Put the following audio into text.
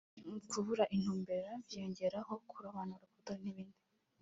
kubura intumbero byiyongeraho kurobanura ku butoni n’ibindi